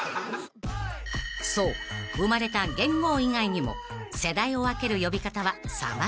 ［そう生まれた元号以外にも世代を分ける呼び方は様々］